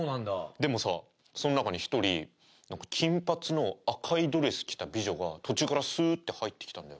でもさその中に１人なんか金髪の赤いドレス着た美女が途中からスーッて入ってきたんだよ。